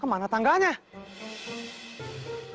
jangan terlalu lama pakaiationalitas